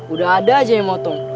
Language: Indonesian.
udah ada aja yang mau tong